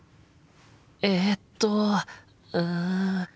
えっとうん。